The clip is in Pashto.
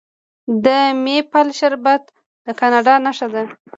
د میپل شربت د کاناډا نښه ده.